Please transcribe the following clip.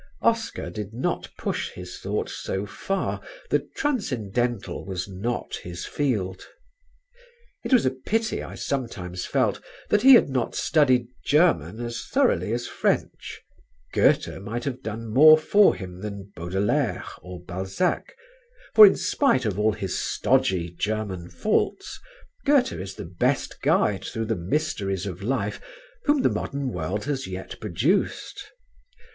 Oscar did not push his thought so far: the transcendental was not his field. It was a pity, I sometimes felt, that he had not studied German as thoroughly as French; Goethe might have done more for him than Baudelaire or Balzac, for in spite of all his stodgy German faults, Goethe is the best guide through the mysteries of life whom the modern world has yet produced.